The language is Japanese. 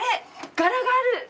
柄がある！